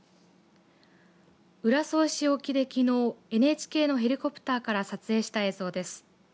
浦添市沖できのうＮＨＫのヘリコプターから撮影した映像です。